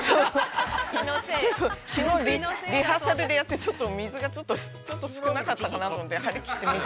リハーサルでやって、水がちょっと少なかったなと思って、張り切って、水。